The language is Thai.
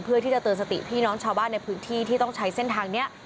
เพื่อที่จะเตือนสติพี่น้องชาวบ้านในพื้นที่ที่ต้องใช้เส้นทางนี้